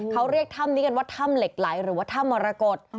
เขาเรียกถ้ำนี้กันว่าถ้ำเหล็กไหลหรือว่าถ้ำมรกฏ